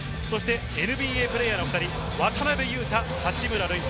ＮＢＡプレーヤーの渡邊雄太、八村塁。